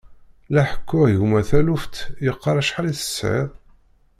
La ḥekkuɣ i gma taluft, yeqqar acḥal i tesɛiḍ.